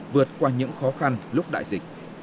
vượt qua những khó khăn lúc đại dịch